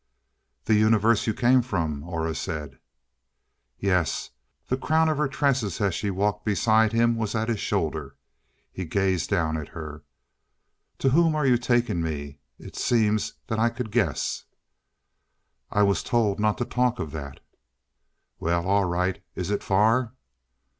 "The Universe you came from," Aura said. "Yes." The crown of her tresses as she walked beside him was at his shoulder. He gazed down at her. "To whom are you taking me? It seems that I could guess " "I was told not to talk of that." "Well, all right. Is it far?"